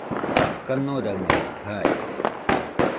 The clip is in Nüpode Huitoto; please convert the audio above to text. kanoraɨmana jaide